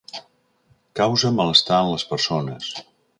Causa malestar en les persones.